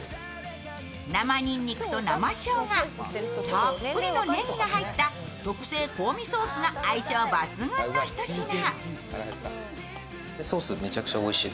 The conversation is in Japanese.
生にんにくと生しょうが、たっぷりのねぎが入った特製香味ソースが相性抜群のひと品。